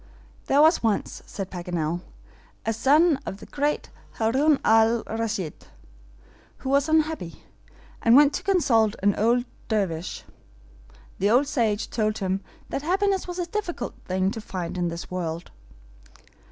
"There was once," said Paganel, "a son of the great Haroun al Raschid, who was unhappy, and went to consult an old Dervish. The old sage told him that happiness was a difficult thing to find in this world.